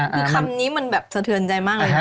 คือคำนี้มันแบบสะเทือนใจมากเลยนะ